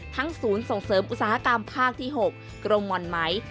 ศูนย์ส่งเสริมอุตสาหกรรมภาคที่๖กรมหม่อนไหม